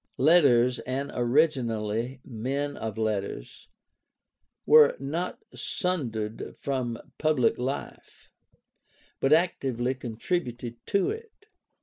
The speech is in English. Letters, and originally men of letters, were not sundered from pubHc life, but actively contributed to it.